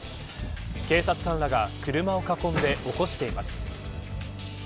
警察官らが車を囲んで起こしています。